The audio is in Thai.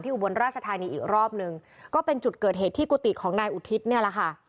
อุบลราชธานีอีกรอบหนึ่งก็เป็นจุดเกิดเหตุที่กุฏิของนายอุทิศเนี่ยแหละค่ะ